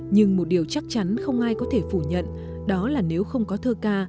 nhưng một điều chắc chắn không ai có thể phủ nhận đó là nếu không có thơ ca